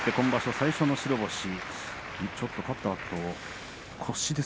最初の白星です。